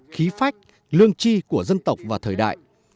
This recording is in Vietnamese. khí phách lương tri của dân tộc và thời đại